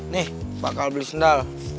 nih bakal beli sendal